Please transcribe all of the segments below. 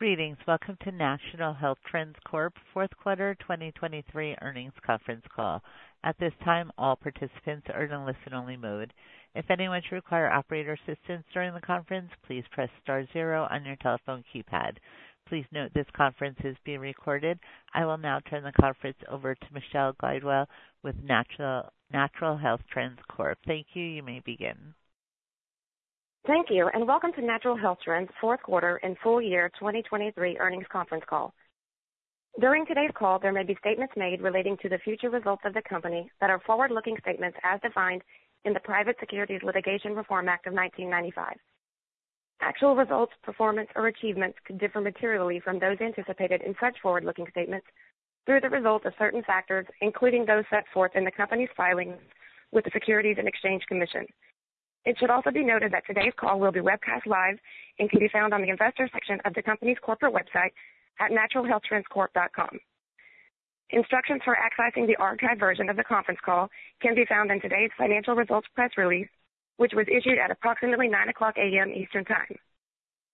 Greetings. Welcome to Natural Health Trends Corp. fourth quarter 2023 earnings conference call. At this time, all participants are in a listen-only mode. If anyone should require operator assistance during the conference, please press star zero on your telephone keypad. Please note this conference is being recorded. I will now turn the conference over to Michelle Glidewell with Natural Health Trends Corp. Thank you. You may begin. Thank you, and welcome to Natural Health Trends fourth quarter and full year 2023 earnings conference call. During today's call, there may be statements made relating to the future results of the company that are forward-looking statements as defined in the Private Securities Litigation Reform Act of 1995. Actual results, performance, or achievements could differ materially from those anticipated in such forward-looking statements through the results of certain factors, including those set forth in the company's filings with the Securities and Exchange Commission. It should also be noted that today's call will be webcast live and can be found on the investor section of the company's corporate website at naturalhealthtrendscorp.com. Instructions for accessing the archived version of the conference call can be found in today's financial results press release, which was issued at approximately 9:00 A.M. Eastern Time.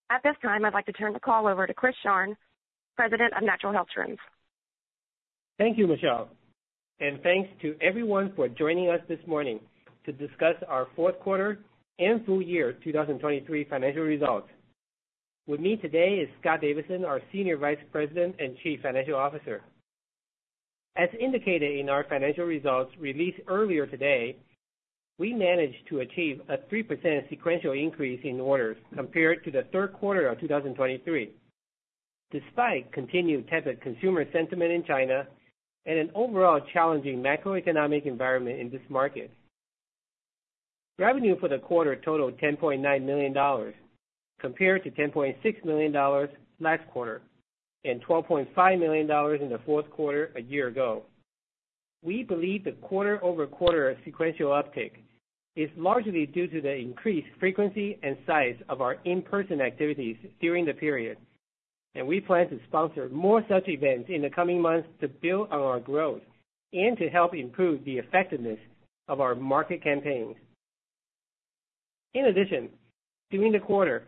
At this time, I'd like to turn the call over to Chris Sharng, President of Natural Health Trends. Thank you, Michelle, and thanks to everyone for joining us this morning to discuss our fourth quarter and full year 2023 financial results. With me today is Scott Davidson, our Senior Vice President and Chief Financial Officer. As indicated in our financial results released earlier today, we managed to achieve a 3% sequential increase in orders compared to the third quarter of 2023, despite continued tepid consumer sentiment in China and an overall challenging macroeconomic environment in this market. Revenue for the quarter totaled $10.9 million, compared to $10.6 million last quarter, and $12.5 million in the fourth quarter a year ago. We believe the quarter-over-quarter sequential uptick is largely due to the increased frequency and size of our in-person activities during the period, and we plan to sponsor more such events in the coming months to build on our growth and to help improve the effectiveness of our market campaigns. In addition, during the quarter,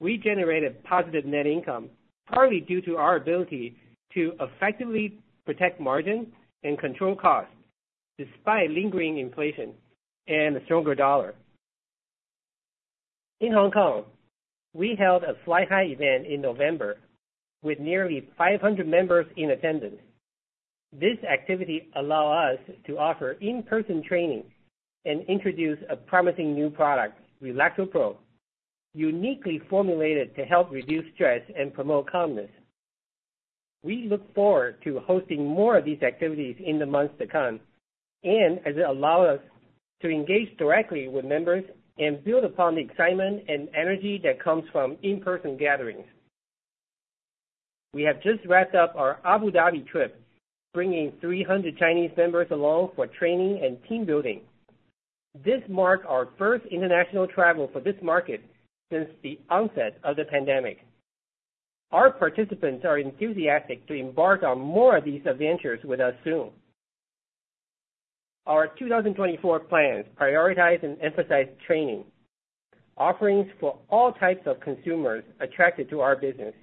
we generated positive net income, partly due to our ability to effectively protect margins and control costs, despite lingering inflation and a stronger U.S. dollar. In Hong Kong, we held a Fly High event in November with nearly 500 members in attendance. This activity allowed us to offer in-person training and introduce a promising new product, RelaxaPro, uniquely formulated to help reduce stress and promote calmness. We look forward to hosting more of these activities in the months to come and as it allow us to engage directly with members and build upon the excitement and energy that comes from in-person gatherings. We have just wrapped up our Abu Dhabi trip, bringing 300 Chinese members along for training and team building. This marked our first international travel for this market since the onset of the pandemic. Our participants are enthusiastic to embark on more of these adventures with us soon. Our 2024 plans prioritize and emphasize training, offerings for all types of consumers attracted to our business,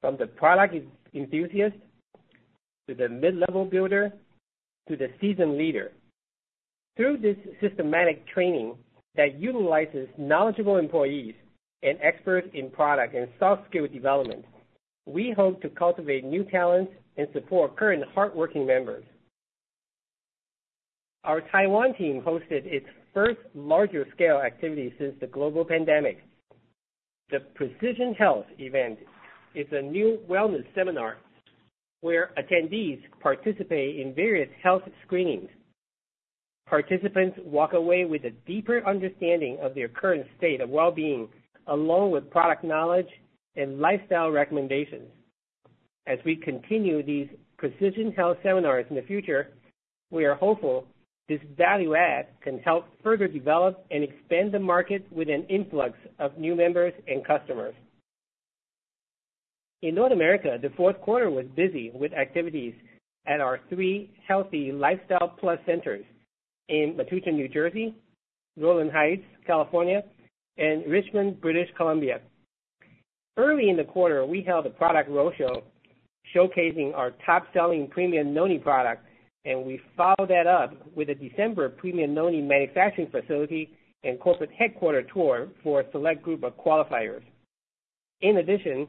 from the product enthusiast to the mid-level builder, to the seasoned leader. Through this systematic training that utilizes knowledgeable employees and experts in product and soft skill development, we hope to cultivate new talents and support current hardworking members. Our Taiwan team hosted its first larger-scale activity since the global pandemic. The Precision Health event is a new wellness seminar where attendees participate in various health screenings. Participants walk away with a deeper understanding of their current state of well-being, along with product knowledge and lifestyle recommendations. As we continue these Precision Health seminars in the future, we are hopeful this value add can help further develop and expand the market with an influx of new members and customers. In North America, the fourth quarter was busy with activities at our three Healthy Lifestyle Plus centers in Matawan, New Jersey, Rowland Heights, California, and Richmond, British Columbia. Early in the quarter, we held a product roadshow showcasing our top-selling Premium Noni product, and we followed that up with a December Premium Noni manufacturing facility and corporate headquarters tour for a select group of qualifiers. In addition,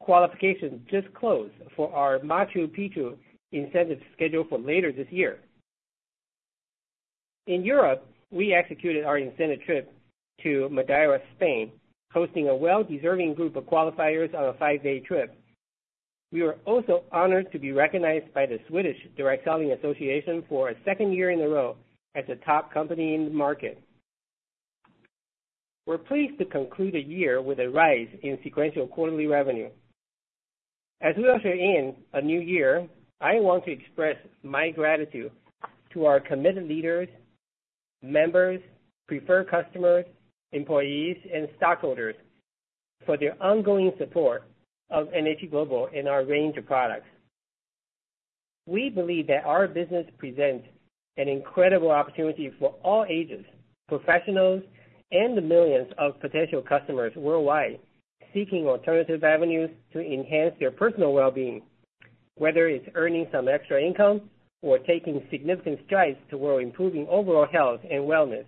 qualifications just closed for our Machu Picchu incentive scheduled for later this year. In Europe, we executed our incentive trip to Madeira, Portugal, hosting a well-deserving group of qualifiers on a five-day trip. We were also honored to be recognized by Direct Selling Sweden for a second year in a row as a top company in the market. We're pleased to conclude the year with a rise in sequential quarterly revenue. As we enter in a new year, I want to express my gratitude to our committed leaders, members, preferred customers, employees, and stockholders for their ongoing support of NHT Global and our range of products... We believe that our business presents an incredible opportunity for all ages, professionals, and the millions of potential customers worldwide seeking alternative avenues to enhance their personal well-being. Whether it's earning some extra income or taking significant strides toward improving overall health and wellness,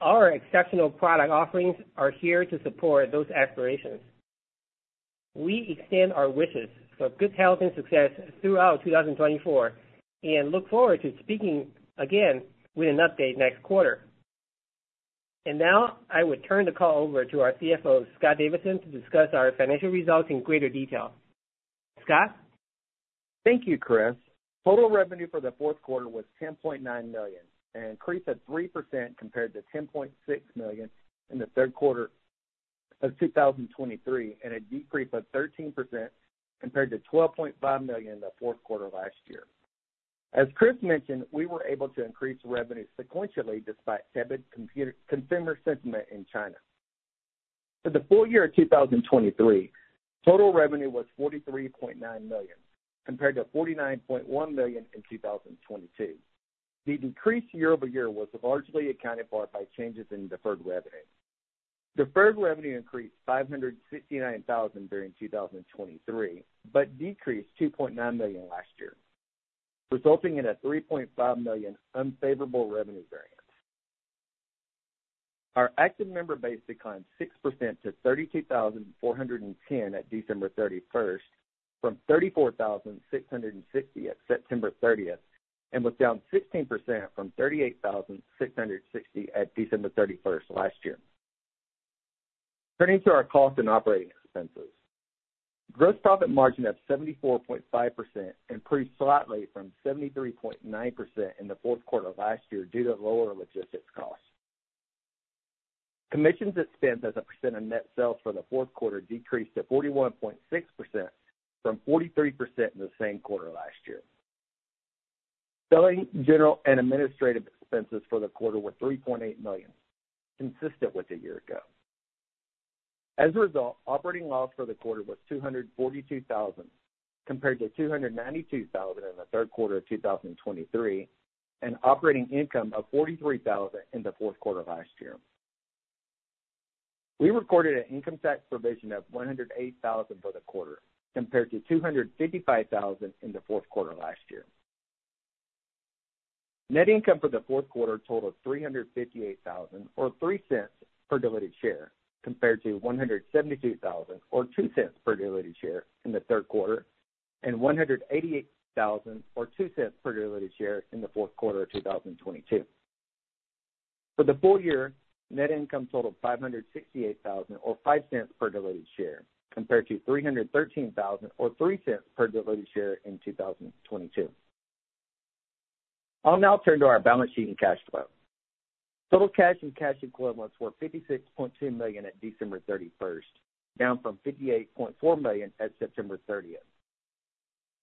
our exceptional product offerings are here to support those aspirations. We extend our wishes for good health and success throughout 2024, and look forward to speaking again with an update next quarter. And now, I would turn the call over to our CFO, Scott Davidson, to discuss our financial results in greater detail. Scott? Thank you, Chris. Total revenue for the fourth quarter was $10.9 million, an increase of 3% compared to $10.6 million in the third quarter of 2023, and a decrease of 13% compared to $12.5 million in the fourth quarter last year. As Chris mentioned, we were able to increase revenue sequentially despite tepid consumer sentiment in China. For the full year of 2023, total revenue was $43.9 million, compared to $49.1 million in 2022. The decrease year-over-year was largely accounted for by changes in deferred revenue. Deferred revenue increased $559,000 during 2023, but decreased $2.9 million last year, resulting in a $3.5 million unfavorable revenue variance. Our active member base declined 6% to 32,410 at December 31st, from 34,660 at September 30th, and was down 16% from 38,660 at December 31st last year. Turning to our cost and operating expenses. Gross profit margin at 74.5% improved slightly from 73.9% in the fourth quarter last year due to lower logistics costs. Commissions expense as a percent of net sales for the fourth quarter decreased to 41.6% from 43% in the same quarter last year. Selling, general, and administrative expenses for the quarter were $3.8 million, consistent with a year ago. As a result, operating loss for the quarter was $242,000, compared to $292,000 in the third quarter of 2023, and operating income of $43,000 in the fourth quarter last year. We recorded an income tax provision of $108,000 for the quarter, compared to $255,000 in the fourth quarter last year. Net income for the fourth quarter totaled $358,000, or $0.03 per diluted share, compared to $172,000 or $0.02 per diluted share in the third quarter, and $188,000 or $0.02 per diluted share in the fourth quarter of 2022. For the full year, net income totaled $568,000 or $0.05 per diluted share, compared to $313,000 or $0.03 per diluted share in 2022. I'll now turn to our balance sheet and cash flow. Total cash and cash equivalents were $56.2 million at December 31, down from $58.4 million at September 30.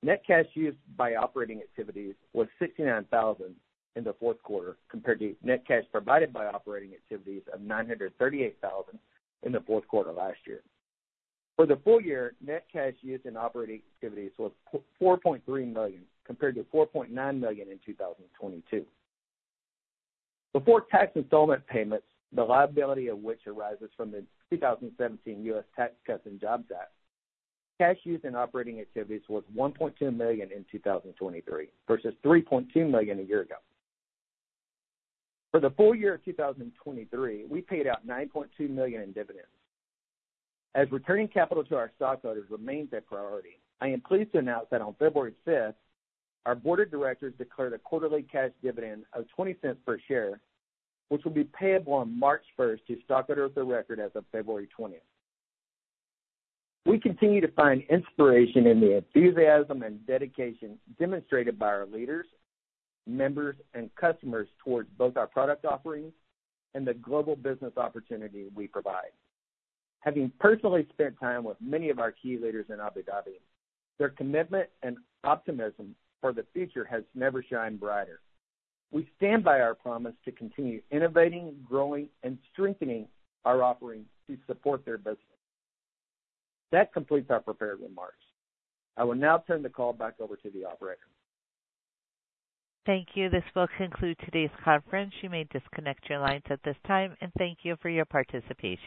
Net cash used by operating activities was $69,000 in the fourth quarter, compared to net cash provided by operating activities of $938,000 in the fourth quarter last year. For the full year, net cash used in operating activities was $4.3 million, compared to $4.9 million in 2022. Before tax installment payments, the liability of which arises from the 2017 U.S. Tax Cuts and Jobs Act, cash used in operating activities was $1.2 million in 2023 versus $3.2 million a year ago. For the full year of 2023, we paid out $9.2 million in dividends. As returning capital to our stockholders remains a priority, I am pleased to announce that on February 5th, our board of directors declared a quarterly cash dividend of $0.20 per share, which will be payable on March 1st to stockholders of record as of February 20th. We continue to find inspiration in the enthusiasm and dedication demonstrated by our leaders, members, and customers towards both our product offerings and the global business opportunity we provide. Having personally spent time with many of our key leaders in Abu Dhabi, their commitment and optimism for the future has never shined brighter. We stand by our promise to continue innovating, growing, and strengthening our offerings to support their business. That completes our prepared remarks. I will now turn the call back over to the operator. Thank you. This will conclude today's conference. You may disconnect your lines at this time, and thank you for your participation.